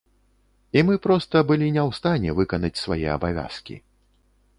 І мы проста былі не ў стане выканаць свае абавязкі.